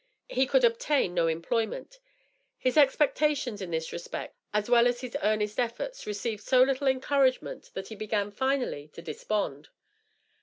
He could obtain no employment. His expectations in this respect, as well as his earnest efforts, received so little encouragement that he began, finally, to despond.